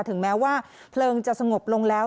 ถึงแม้ว่าเพลิงจะสงบลงแล้ว